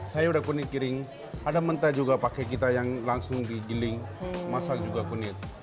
sayur pun dikiring ada mentah juga pakai kita yang langsung digiling masak juga kunyit